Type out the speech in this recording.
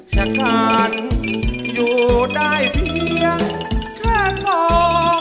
ฉะกันอยู่ได้เพียงแค่คอม